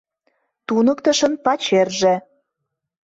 Туныктышын пачерже.